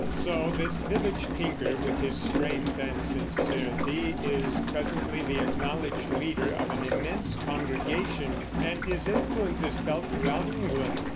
So this village tinker, with his strength and sincerity, is presently the acknowledged leader of an immense congregation, and his influence is felt throughout England.